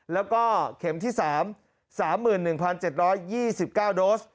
แล้วก็เข็มที่๓๓๑๗๒๙โดส